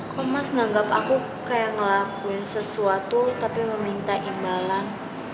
kok mas nagap aku kayak ngelakuin sesuatu tapi meminta imbalan